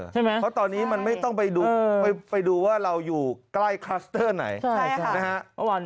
เพราะตอนนี้มันไม่ต้องไปดูว่าเราอยู่ใกล้คลัสเตอร์ไหนนะฮะ